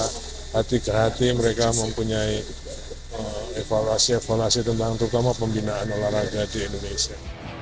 hati hati mereka mempunyai evaluasi evaluasi tentang terutama pembinaan olahraga di indonesia